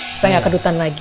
supaya gak kedutan lagi